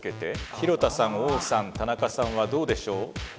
廣田さん王さん田中さんはどうでしょう？